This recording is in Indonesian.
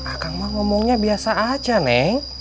akan mau ngomongnya biasa aja neng